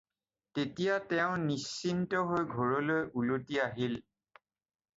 তেতিয়া তেওঁ নিশ্চিন্ত হৈ ঘৰলৈ উলটি আহিল।